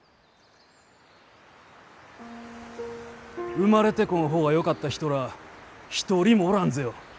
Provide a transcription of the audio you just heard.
生まれてこん方がよかった人らあ一人もおらんぜよ。